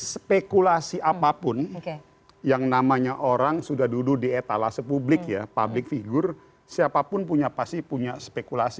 spekulasi apapun yang namanya orang sudah duduk di etalase publik ya public figure siapapun pasti punya spekulasi